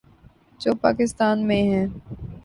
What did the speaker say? جو پاکستان میں ہے۔